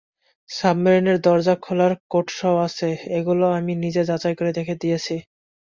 সাবমেরিনের দরজা খোলার কোডসহ আছে, ওগুলো আমি নিজে যাচাই করে দিয়েছি।